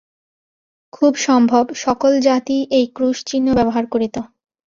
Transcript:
খুব সম্ভব, সকল জাতিই এই ক্রুশ-চিহ্ন ব্যবহার করিত।